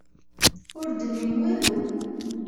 Ur d-nnin walu.